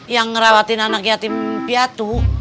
yang ngerawatin anak yatim piatu